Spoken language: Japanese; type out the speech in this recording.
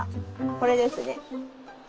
これですね。